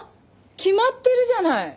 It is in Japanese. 決まってるじゃない。